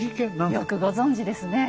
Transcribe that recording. よくご存じですね。